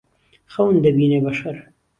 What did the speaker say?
خهون دهبێنی به شەر